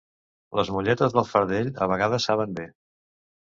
Les molletes del fardell a vegades saben bé.